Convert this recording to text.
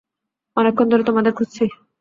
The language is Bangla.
অনেকক্ষণ ধরে তোমাদের খুঁজছি।